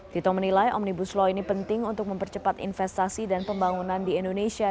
tito menilai omnibus law ini penting untuk mempercepat investasi dan pembangunan di indonesia